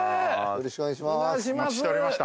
よろしくお願いします